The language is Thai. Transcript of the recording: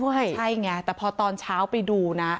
ใช่ไงแต่พอตอนเช้าไปดูนะ